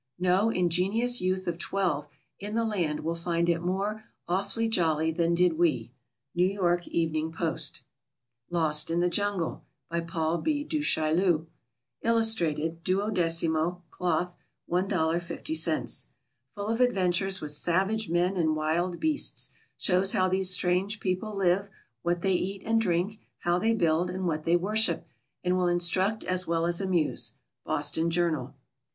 No ingenious youth of twelve in the land will find it more "awfully jolly" than did we. N. Y. Evening Post. Lost in the Jungle. By PAUL B. DU CHAILLU. Illustrated. 12mo, Cloth, $1.50. Full of adventures with savage men and wild beasts; shows how these strange people live, what they eat and drink, how they build, and what they worship; and will instruct as well as amuse. _Boston Journal.